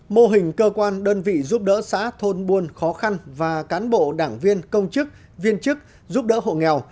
mô hình cơ quan đơn vị giúp đỡ xã thôn buôn khó khăn và cán bộ đảng viên công chức viên chức giúp đỡ hộ nghèo